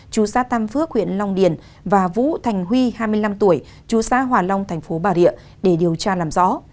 chú xã tam phước huyện long điền và vũ thành huy hai mươi năm tuổi chú xã hòa long thành phố bà rịa để điều tra làm rõ